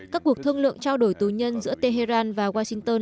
các cuộc thương lượng trao đổi tù nhân giữa tehran và washington